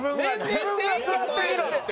自分が座ってみろって。